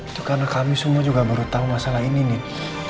itu karena kami semua juga baru tahu masalah ini nih